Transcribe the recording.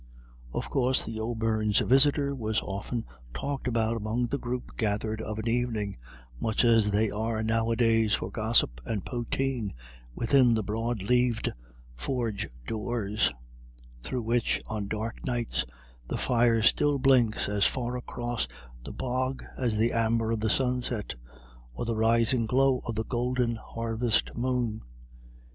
Of course the O'Beirnes' visitor was often talked about among the groups gathered of an evening, much as they are nowadays, for gossip and poteen within the broad leaved forge doors, through which on dark nights the fire still blinks as far across the bog as the amber of the sunset, or the rising glow of the golden harvest moon.